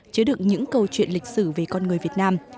chứa được những câu chuyện lịch sử về con người việt nam